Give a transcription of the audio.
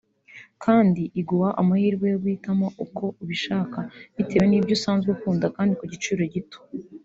kandi iguha amahirwe yo guhitamo uko ubishaka bitewe n’ibyo usanzwe ukunda kandi ku giciro gito